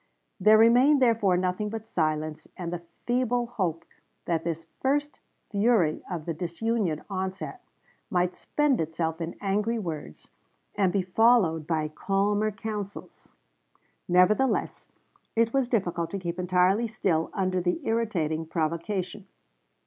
There remained therefore nothing but silence and the feeble hope that this first fury of the disunion onset might spend itself in angry words, and be followed by calmer counsels. Nevertheless, it was difficult to keep entirely still under the irritating provocation.